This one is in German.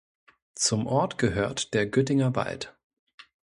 Zum Ort gehört der Güttinger Wald.